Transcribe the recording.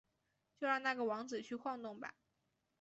就让那个王子去晃动吧！